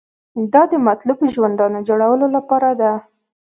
دا د مطلوب ژوندانه جوړولو لپاره ده.